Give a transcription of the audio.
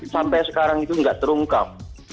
sampai sekarang itu tidak terungkap